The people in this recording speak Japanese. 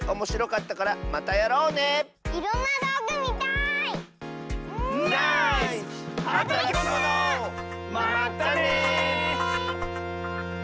まったね！